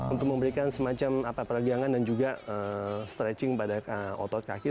untuk memberikan semacam peregangan dan juga stretching pada otot kaki